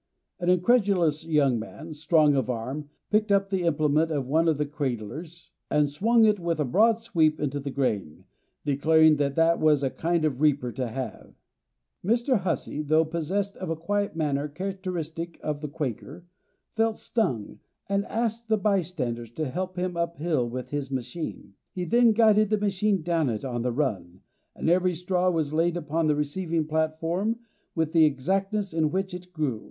An incredulous young man, strong of arm, picked up the implement of one of the cradlers, and swung it with a broad sweep into the grain, declaring that that was a kind of a reaper to have. Mr. Hussey, though possessed of a quiet manner characteristic of the Quaker, felt stung and asked the bystanders to help him uphill with his machine. He then guided the machine down it on the run, and every straw was laid upon the receiving platform with the exactness in which it grew.